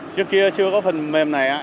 trước kia chưa có phần mềm này